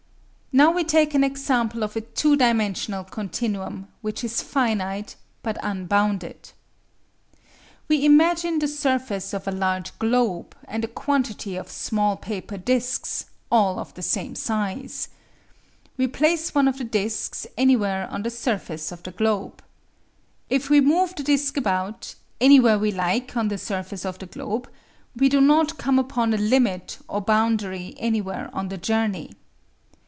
Now we take an example of a two dimensional continuum which is finite, but unbounded. We imagine the surface of a large globe and a quantity of small paper discs, all of the same size. We place one of the discs anywhere on the surface of the globe. If we move the disc about, anywhere we like, on the surface of the globe, we do not come upon a limit or boundary anywhere on the journey.